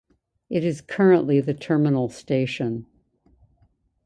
It is currently the terminal station.